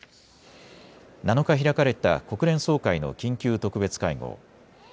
７日、開かれた国連総会の緊急特別会合。